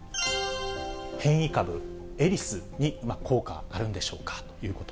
変異株、エリスに効果あるんでしょうかということ。